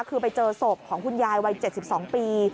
คือไปเจอศพของคุณยายวัย๗๒ปี